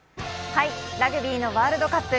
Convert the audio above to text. ラグビーのワールドカップ。